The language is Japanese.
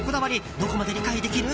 どこまで理解できる？